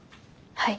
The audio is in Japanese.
はい。